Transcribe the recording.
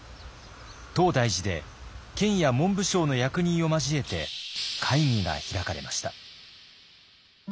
東大寺で県や文部省の役人を交えて会議が開かれました。